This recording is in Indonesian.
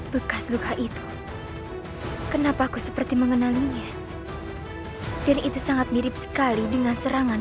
bekas luka itu kenapa aku seperti mengenalinya dan itu sangat mirip sekali dengan serangan